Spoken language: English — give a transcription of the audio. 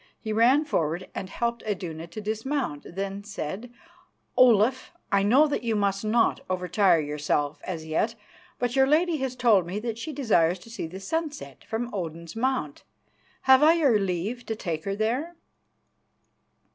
He ran forward and helped Iduna to dismount, then said: "Olaf, I know that you must not overtire yourself as yet, but your lady has told me that she desires to see the sunset from Odin's Mount. Have I your leave to take her there?"